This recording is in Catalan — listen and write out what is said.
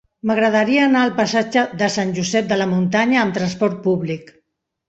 M'agradaria anar al passatge de Sant Josep de la Muntanya amb trasport públic.